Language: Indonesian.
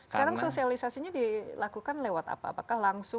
sekarang sosialisasinya dilakukan lewat apa apakah langsung